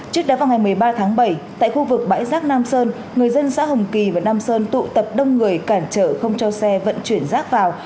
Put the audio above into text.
trước đó vào ngày một mươi ba tháng bảy tại khu vực bãi rác nam sơn người dân xã hồng kỳ và nam sơn tụ tập đông người cản trở không cho xe vận chuyển rác vào